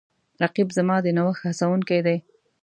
رقیب زما د نوښت هڅونکی دی